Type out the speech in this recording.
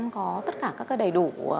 có tất cả các đầy đủ